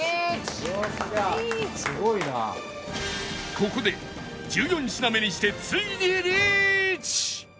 ここで１４品目にしてついにリーチ！